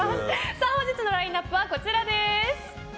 本日のラインアップはこちらです。